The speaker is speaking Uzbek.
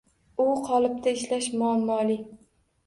U qolipda ishlash muammoli.